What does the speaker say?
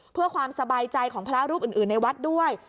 เพื่อความสบายใจของพระรูปอื่นในวัดด้วย